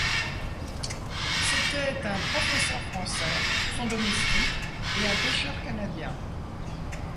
C’étaient un professeur français, son domestique et un pêcheur canadien.